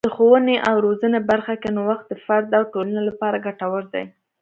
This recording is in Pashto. د ښوونې او روزنې برخه کې نوښت د فرد او ټولنې لپاره ګټور دی.